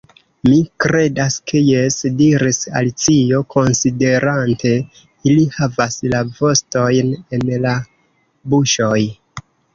"Mi kredas ke jes," diris Alicio, konsiderante. "Ili havas la vostojn en la buŝoj. »